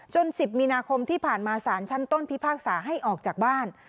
๑๐มีนาคมที่ผ่านมาสารชั้นต้นพิพากษาให้ออกจากบ้าน